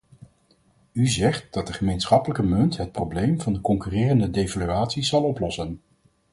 U zegt dat de gemeenschappelijke munt het probleem van de concurrerende devaluaties zal oplossen.